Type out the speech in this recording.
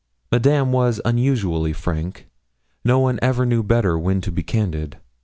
Madame was unusually frank no one ever knew better when to be candid.